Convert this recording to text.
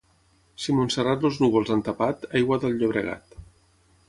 Si Montserrat els núvols han tapat, aigua del Llobregat.